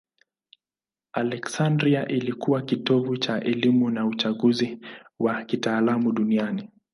Aleksandria ilikuwa kitovu cha elimu na uchunguzi wa kitaalamu duniani.